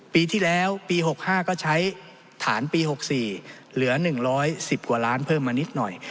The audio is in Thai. ปีที่แล้วปี๖๕ก็ใช้ฐานปี๖๔เหลือ๑๑๐กว่าล้านเพิ่มมานิดหน่อย